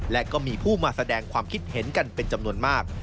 และก็มีผู้มาแสดงความคิดเห็นกันเป็นจำนวนมาก